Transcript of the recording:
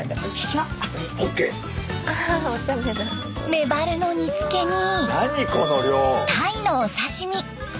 メバルの煮付けにタイのお刺身。